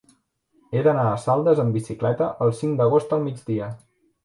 He d'anar a Saldes amb bicicleta el cinc d'agost al migdia.